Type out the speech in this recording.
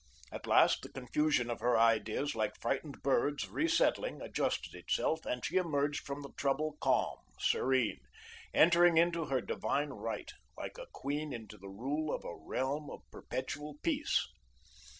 At last, the confusion of her ideas, like frightened birds, re settling, adjusted itself, and she emerged from the trouble calm, serene, entering into her divine right, like a queen into the rule of a realm of perpetual peace.